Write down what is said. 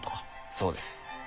そうです。